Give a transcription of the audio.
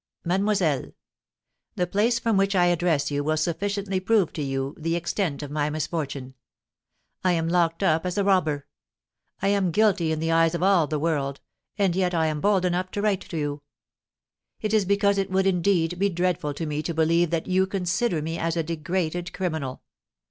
"MADEMOISELLE: The place from which I address you will sufficiently prove to you the extent of my misfortune, I am locked up as a robber. I am guilty in the eyes of all the world, and yet I am bold enough to write to you! It is because it would, indeed, be dreadful to me to believe that you consider me as a degraded criminal.